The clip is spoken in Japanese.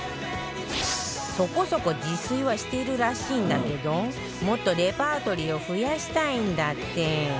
そこそこ自炊はしてるらしいんだけどもっとレパートリーを増やしたいんだって